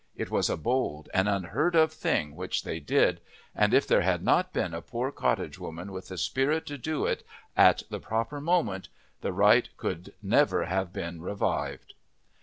It was a bold, an unheard of thing which they did, and if there had not been a poor cottage woman with the spirit to do it at the proper moment the right could never have been revived.